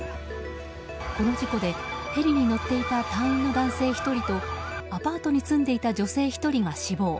この事故でヘリに乗っていた隊員の男性１人とアパートに住んでいた女性１人が死亡。